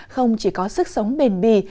không chỉ có sức sống bền bì